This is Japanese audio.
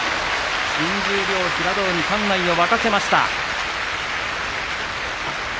新十両の平戸海館内を沸かせました。